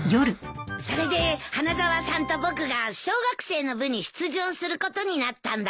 それで花沢さんと僕が小学生の部に出場することになったんだ。